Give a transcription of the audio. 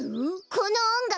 このおんがく！